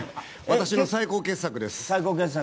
私の最高傑作です。